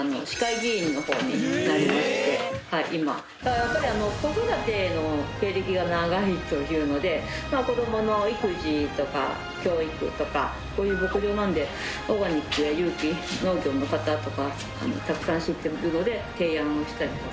やっぱり子育ての経歴が長いというので子どもの育児とか教育とかこういう牧場なのでオーガニックや有機農業の方とかたくさん知ってるので提案をしたりとか。